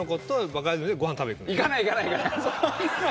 行かない行かない行かない！